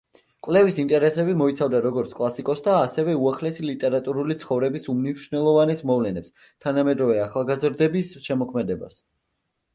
კვლევის ინტერესები მოიცავდა, როგორც კლასიკოსთა, ასევე უახლესი ლიტერატურული ცხოვრების უმნიშვნელოვანეს მოვლენებს, თანამედროვე ახალგაზრდების შემოქმედებას.